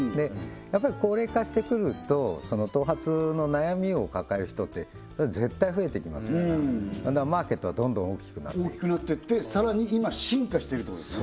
やっぱり高齢化してくると頭髪の悩みを抱える人って絶対増えてきますからマーケットはどんどん大きくなっていく大きくなってってさらに今進化してるってことですね